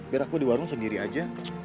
biar aku di warung sendiri aja